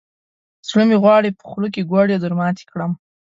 زړه مې غواړي، په خوله کې ګوړې درماتې کړم.